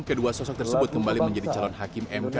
kedua sosok tersebut kembali menjadi calon hakim mk